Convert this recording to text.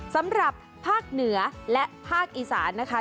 สำหรับภาคเหนือและภาคอีสานนะคะ